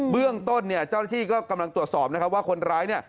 เรื่องต้นเนี่ยเจ้าหน้าที่ก็กำลังตรวจสอบนะครับว่าคนร้ายเนี่ย